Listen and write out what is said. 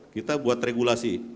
kita buat regulasi